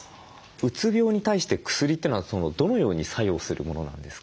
うつ病に対して薬というのはどのように作用するものなんですか？